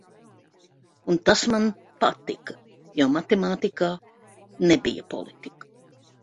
Un tas man patika, jo matemātikā nebija politika.